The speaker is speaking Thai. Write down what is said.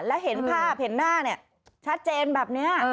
แล้วเห็นภาพเห็นหน้าเนี่ยชัดเจนแบบนี้